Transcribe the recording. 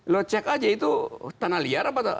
lo cek aja itu tanah liar apa